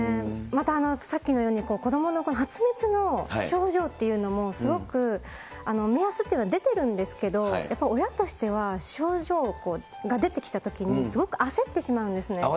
またさっきのように子どもの発熱の症状というのもすごく目安っていうのは出てるんですけれども、やっぱり親としては、症状が出てきたときに、慌てちゃいますよね。